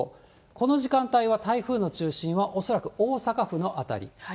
この時間帯は台風の中心は恐らく大阪府の辺り。